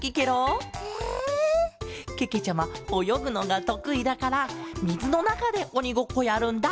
ちゃまおよぐのがとくいだからみずのなかでおにごっこやるんだ。